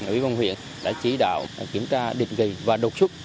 ủy quân huyện đã trí đạo kiểm tra định kỳ và độc sức